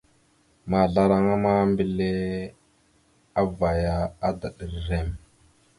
Maazlaraŋa ma, mbelle avvaya, adaɗ rrem.